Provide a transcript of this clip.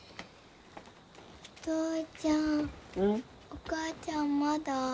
お母ちゃんまだ？